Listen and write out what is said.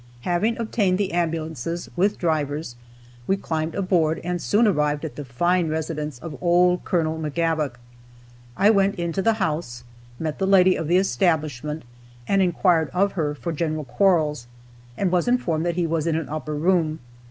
Having obtained the ambulances, with drivers, we climbed aboard, and soon arrived at the fine residence of old Col. McGavock. I went into the house, met the lady of the establishment, and inquired of her for Gen. Quarles, and was informed that he was in an upper room.